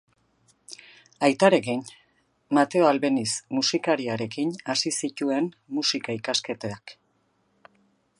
Aitarekin, Mateo Albeniz musikariarekin, hasi zituen musika-ikasketak.